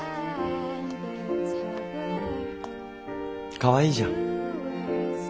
かわいいじゃん。